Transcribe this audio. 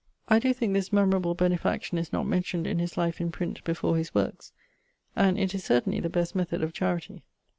I doe thinke this memorable benefaction is not mentioned in his life in print before his workes; and it is certainly the best method of charity.